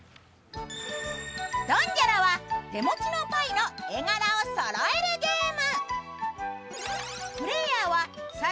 「ドンジャラ」は手持ちのパイの絵柄をそろえるゲーム。